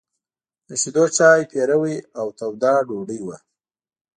د شيدو چای، پيروی او توده ډوډۍ وه.